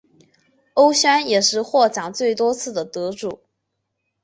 欧萱也是获奖最多次的得主。